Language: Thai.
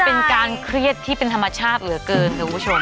เป็นการเครียดที่เป็นธรรมชาติเหลือเกินนะคุณผู้ชม